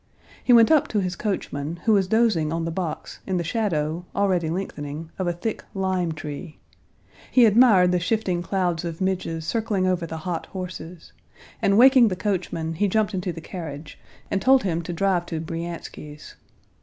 He went up to his coachman, who was dozing on the box in the shadow, already lengthening, of a thick limetree; he admired the shifting clouds of midges circling over the hot horses, and, waking the coachman, he jumped into the carriage, and told him to drive to Bryansky's.